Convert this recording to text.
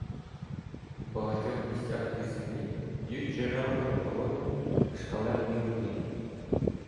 В багатьох місцях із землі б'ють джерела прохолодної, кришталевої води.